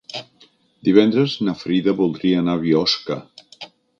Divendres na Frida voldria anar a Biosca.